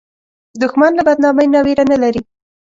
دښمن له بدنامۍ نه ویره نه لري